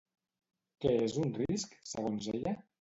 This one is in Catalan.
Què és un risc, segons ella?